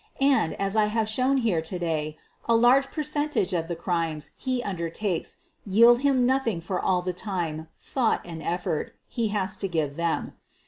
And, as I have shown here to day, a large percentage of the crimes he undertakes yield him nothing for all the time, thought, and effort he has to give them.